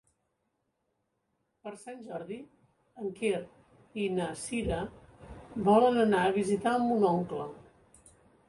Per Sant Jordi en Quer i na Cira volen anar a visitar mon oncle.